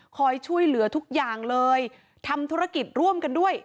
คอยช่วยเหลือทุกอย่างเลยทำธุรกิจร่วมกันด้วย